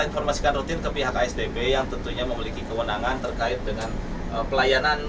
informasikan rutin ke pihak asdb yang tentunya memiliki kewenangan terkait dengan pelayanan